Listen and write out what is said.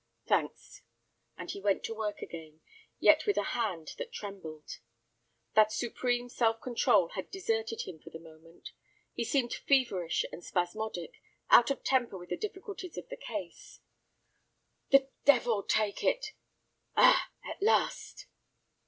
"Thanks," and he went to work again, yet with a hand that trembled. That supreme self control had deserted him for the moment. He seemed feverish and spasmodic, out of temper with the difficulties of the case. "The devil take it! Ah—at last."